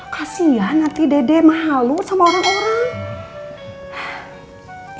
kasian nanti dede malu sama orang orang